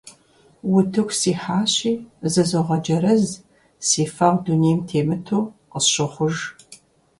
Утыку сихьащи, зызогъэджэрэз, си фэгъу дунейм темыту къысщохъуж.